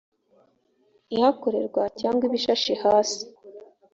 ihakorerwa cyangwa ibishashe hasi